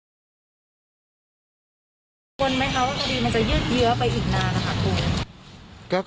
กลัวงวนไหมครับที่มันจะยืดเหยือกไปอีกนานนะครับคุณ